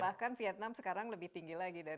bahkan vietnam sekarang lebih tinggi lagi dari indonesia